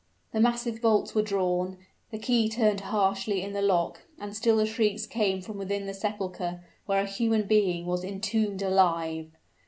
The massive bolts were drawn the key turned harshly in the lock and still the shrieks came from within the sepulcher where a human being was entombed alive!